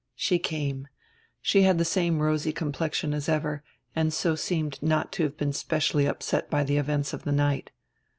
She came. She had the same rosy complexion as ever, and so seemed not to have been specially upset by the events of the night.